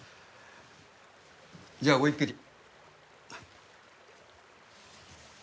じゃあごゆっくり。